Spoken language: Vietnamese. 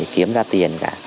kiếm ra tiền cả